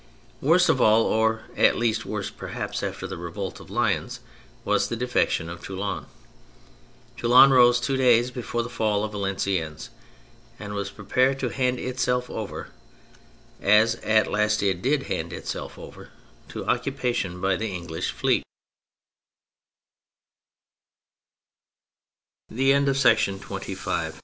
Worst of all, or at least, worst perhaps, after the revolt of Lyons, was the defection of Toulon. Toulon rose tw^o days before the fall of Valenciennes, and was prepared to hand itself over (as at last it did hand itself over) to occupation by t